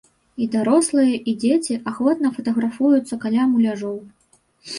І дарослыя і дзеці ахвотна фатаграфуюцца каля муляжоў.